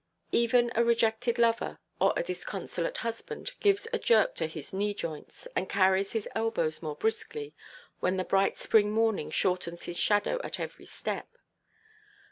Even a rejected lover, or a disconsolate husband, gives a jerk to his knee–joints, and carries his elbows more briskly, when the bright spring morning shortens his shadow at every step.